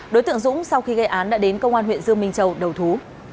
đối tượng dũng sau khi gây án đã đến công an huyện dương minh châu đầu thú